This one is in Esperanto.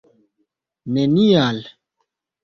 nenial